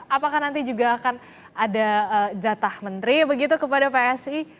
apakah nanti juga akan ada jatah menteri begitu kepada psi